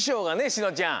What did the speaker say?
しのちゃん。